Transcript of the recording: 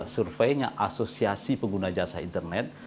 surveinya asosiasi pengguna jasa internet